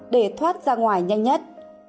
để thoát ra ngoài nhanh nhất